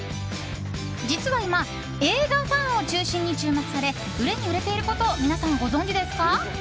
実は今、映画ファンを中心に注目され売れに売れていることを皆さんご存じですか？